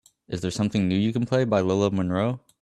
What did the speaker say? is there something new you can play by Lola Monroe